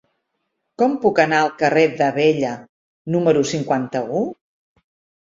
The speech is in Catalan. Com puc anar al carrer d'Abella número cinquanta-u?